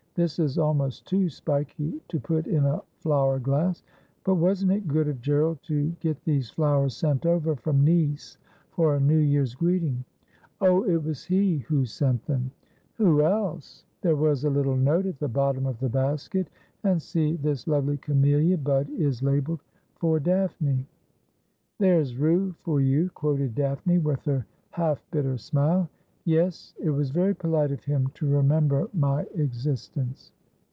This is almost too spiky to put in a flower glass. But wasn't it good of Gerald to get these flowers sent over from Nice for a New Year's greeting ?'' Oh, it was he who sent them ?'' Who else ? There was a little note at the bottom of the basket ; and see, this lovely camellia bud is labelled " For Daphne." ''" There's rue for you," ' quoted Daphne, with her half bitter smile. ' Yes, it was very polite of him to remember my existence.'